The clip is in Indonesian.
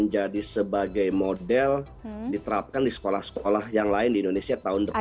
jadi sebagai model diterapkan di sekolah sekolah yang lain di indonesia tahun depan